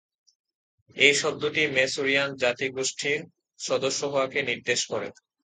এই শব্দটি ম্যাসুরিয়ান জাতিগোষ্ঠীর সদস্য হওয়াকে নির্দেশ করে।